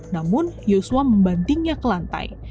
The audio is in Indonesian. namun yosua membandingnya ke lantai